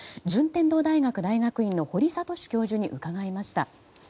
順天堂大学大学院の堀賢教授に伺いました。